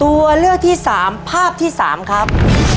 ตัวเลือกที่สามภาพที่สามครับ